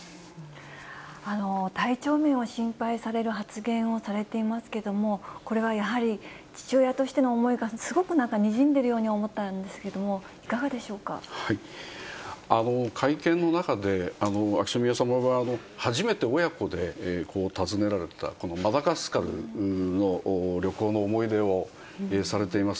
体調面を心配される発言をされていますけれども、これはやはり、父親としての思いが、すごくなんかにじんでいるように思ったんですが、いかがでしょう会見の中で秋篠宮さまは、初めて親子で訪ねられたマダガスカルの旅行の思い出をされています。